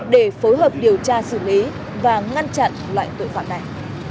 để phối hợp điều tra xử lý và ngăn chặn loại tội phạm này